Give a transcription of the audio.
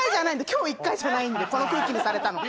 今日１回じゃないんでこの空気にされたの。